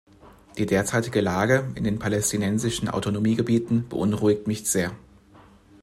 Die derzeitige Lage in den Palästinensischen Autonomiegebieten beunruhigt mich sehr.